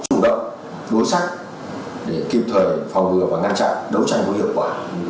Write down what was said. chủ động đối sách để kịp thời phòng ngư và ngăn chặn đấu tranh có hiệu quả